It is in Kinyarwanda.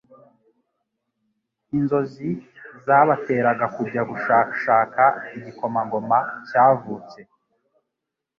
Inzozi zabateraga kujya gushakashaka igikomangoma cyavutse.